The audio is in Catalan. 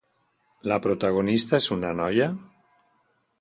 La protagonista és una noia?